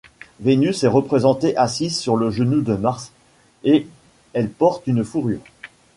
Vénus est représentée assise sur le genou de Mars, et elle porte une fourrure.